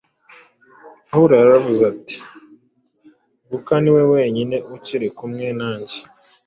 Pawulo yaravuze ati: “Luka ni we wenyine ukiri kumwe nanjye.